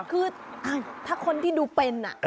คือถ้าคนที่ดูเป็น